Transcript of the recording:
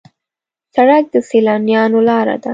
سړک د سیلانیانو لاره ده.